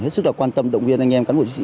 hết sức quan tâm động viên anh em cán bộ chính sĩ